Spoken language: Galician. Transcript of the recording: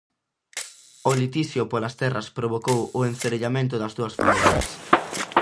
O litixio polas terras provocou o encerellamento das dúas familias.